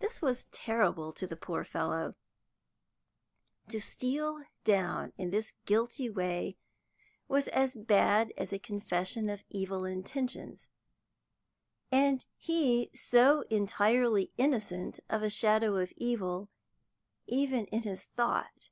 This was terrible to the poor fellow. To steal down in this guilty way was as bad as a confession of evil intentions, and he so entirely innocent of a shadow of evil even in his thought.